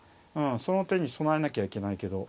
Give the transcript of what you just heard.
その手に備えなきゃいけないけど。